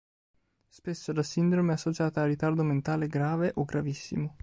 Spesso la sindrome è associata a ritardo mentale grave o gravissimo.